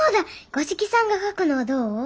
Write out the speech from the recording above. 五色さんが描くのはどう？